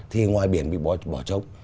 thì ngoài biển bị bỏ trống